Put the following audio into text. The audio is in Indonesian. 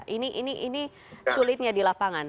ini sulitnya di lapangan